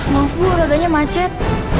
maaf poh agaknya macet